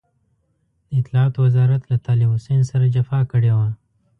د اطلاعاتو وزارت له طالب حسين سره جفا کړې وه.